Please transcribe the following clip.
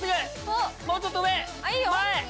もうちょっと上。